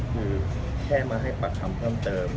คือแค่มาให้ปากคำเพิ่มเติม